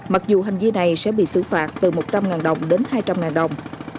mặc dù hành vi này sẽ bị xử phạt từ một trăm linh đồng đến hai trăm linh đồng